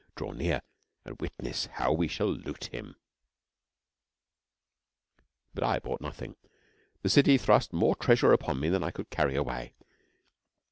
draw near and witness how we shall loot him. But I bought nothing. The city thrust more treasure upon me than I could carry away.